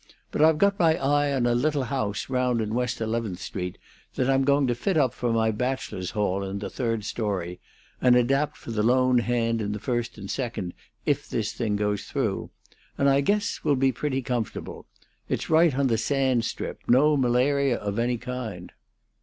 "But I've got my eye on a little house round in West Eleventh Street that I'm going to fit up for my bachelor's hall in the third story, and adapt for 'The Lone Hand' in the first and second, if this thing goes through; and I guess we'll be pretty comfortable. It's right on the Sand Strip no malaria of any kind."